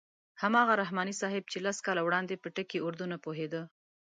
هماغه رحماني صاحب چې لس کاله وړاندې په ټکي اردو نه پوهېده.